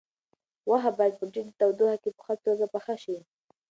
غوښه باید په ټیټه تودوخه کې په ښه توګه پخه شي.